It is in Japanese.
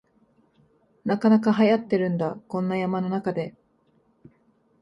なかなかはやってるんだ、こんな山の中で